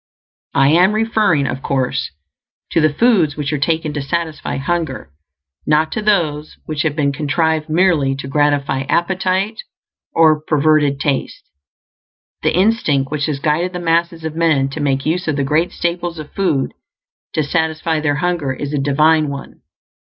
I am referring, of course, to the foods which are taken to satisfy hunger, not to those which have been contrived merely to gratify appetite or perverted taste. The instinct which has guided the masses of men to make use of the great staples of food to satisfy their hunger is a divine one.